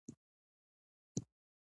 ایا زه باید لرې سفر وکړم؟